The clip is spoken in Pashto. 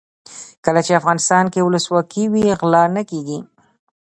کله چې افغانستان کې ولسواکي وي غلا نه کیږي.